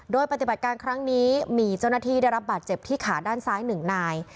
โดยปฏิบัติการครั้งนี้มีเจ้าหน้าที่ได้รับบาดเจ็บที่ขาด้านซ้าย๑นาย